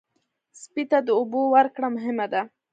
سپي ته د اوبو ورکړه مهمه ده.